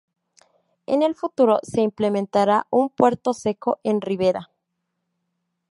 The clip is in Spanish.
En el futuro se implementará un puerto seco en Rivera.